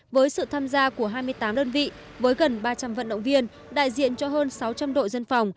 với sự tham gia của hai mươi tám đơn vị với gần ba trăm linh vận động viên đại diện cho hơn sáu trăm linh đội dân phòng